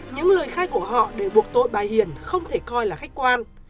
những lời khai của họ để buộc tội bà hiền không thể coi là khách quan